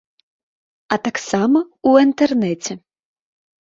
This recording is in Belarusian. А таксама ў інтэрнэце.